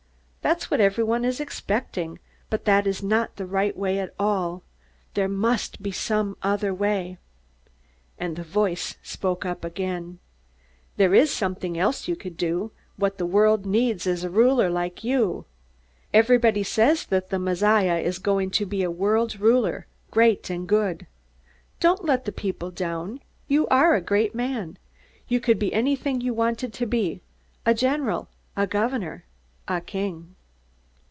That's what everyone is expecting, but that is not the right way at all. There must be some other way._ And the voice spoke up again. "_There is something else you could do. What the world needs is a ruler like you. Everybody says that the Messiah is going to be a world ruler, great and good. Don't let the people down! You are a great man. You could be anything you wanted to be a general, a governor, a king.